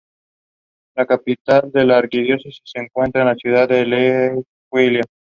La capital de la arquidiócesis se encuentra en la ciudad de L'Aquila.